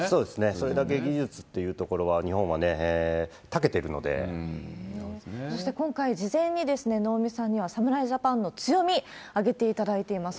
それだけ技術っていうところは、そして今回、事前に能見さんには侍ジャパンの強み、挙げていただいてます。